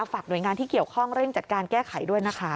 ฝากหน่วยงานที่เกี่ยวข้องเร่งจัดการแก้ไขด้วยนะคะ